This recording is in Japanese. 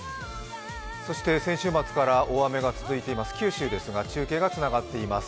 そして先週末から大雨が続いています九州ですが、中継がつながっています。